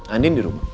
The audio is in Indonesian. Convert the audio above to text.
andien di rumah